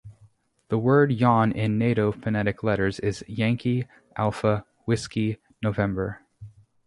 The word Yawn in Nato phonetic letters is Yankee, Alfa, Whiskey, November.